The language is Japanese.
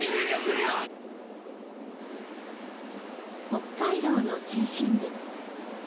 北海道の中心部。